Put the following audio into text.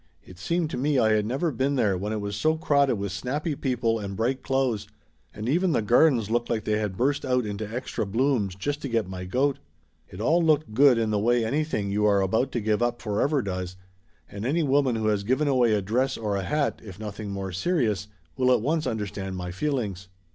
It seemed to me I had never been there when it was so crowded with snappy people and bright clothes, and even the gardens looked like they had burst out into extra blooms just to get my goat. It all looked good in the way anything you are about to give up for ever, does, and any woman who has given away a dress or a hat, if nothing more serious, will at once under stand my feelings.